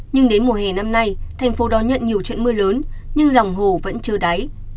nhưng đến mùa hè năm nay thành phố đón nhận nhiều trận mưa lớn nhưng lòng hồ vẫn trơ đáy